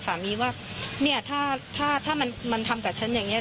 สามีว่าเนี่ยถ้าถ้ามันทำกับฉันอย่างเงี้